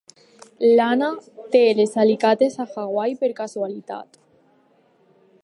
L'Anna té les alicates a Hawaii per casualitat.